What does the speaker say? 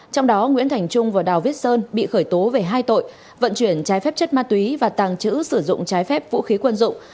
trong đó nguyễn thành trung và đào viết sơn bị khởi tố về hai tội vận chuyển trái phép chất ma túy và tàng trữ sử dụng trái phép vũ khí quân dụng